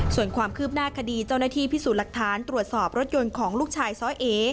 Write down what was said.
ส่วนความคืบหน้าคดีเจ้าหน้าที่พิสูจน์หลักฐานตรวจสอบรถยนต์ของลูกชายซ้อเอ